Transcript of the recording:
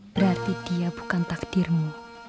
berarti dia bukan takdirmu